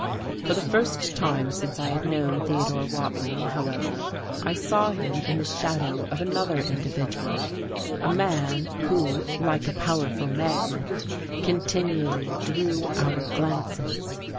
For the first time since I had known Theodore Watling, however, I saw him in the shadow of another individual; a man who, like a powerful magnet, continually drew our glances.